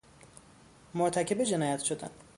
مرتکب جنایت شدن